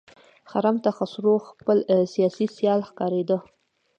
خرم ته خسرو خپل سیاسي سیال ښکارېده.